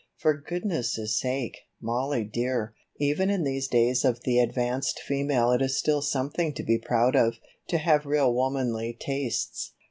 "For goodness' sake, Mollie dear, even in these days of the advanced female it is still something to be proud of, to have real womanly tastes.